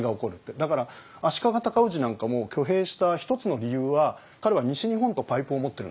だから足利尊氏なんかも挙兵した一つの理由は彼は西日本とパイプを持ってるんですよ。